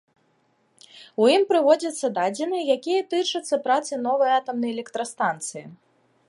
У ім прыводзяцца дадзеныя, якія тычацца працы новай атамнай электрастанцыі.